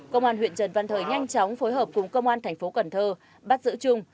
công an huyện trần văn thời nhanh chóng phối hợp cùng công an tp hcm bắt giữ trung